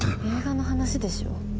映画の話でしょ。